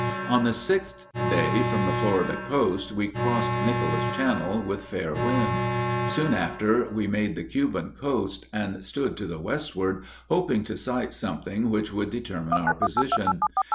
On the sixth day from the Florida coast we crossed Nicholas Channel with fair wind. Soon after we made the Cuban coast, and stood to the westward, hoping to sight something which would determine our position.